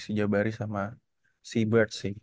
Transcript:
si jabari sama sea bird sih